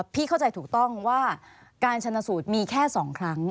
เข้าใจถูกต้องว่าการชนสูตรมีแค่๒ครั้ง